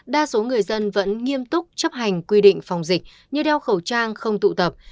đa số người dân vẫn nghiêm túc chấp hành quy định phòng dịch như đeo khẩu trang không tụ tập